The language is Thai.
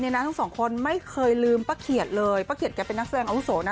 ทั้งสองคนไม่เคยลืมป้าเขียดเลยป้าเขียดแกเป็นนักแสดงอาวุโสนะ